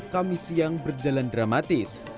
kami siang berjalan dramatis